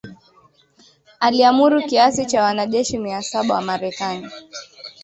aliamuru kiasi cha wanajeshi mia saba wa Marekani